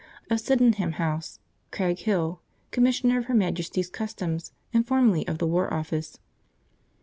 of Sydenham House, Craig Hill, Commissioner of Her Majesty's Customs, and formerly of the War Office.'"